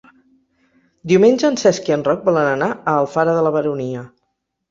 Diumenge en Cesc i en Roc volen anar a Alfara de la Baronia.